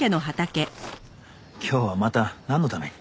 今日はまたなんのために？